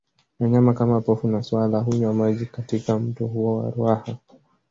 Wanyama kama Pofu na swala hunywa maji katika mto huo wa Ruaha